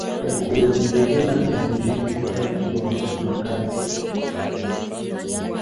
el kuendelea na ujenzi wake wa makazi